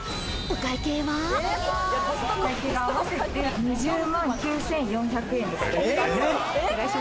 お会計が合わせて２０万９４００円です。